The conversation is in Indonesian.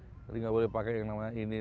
jadi nggak boleh pakai yang namanya ini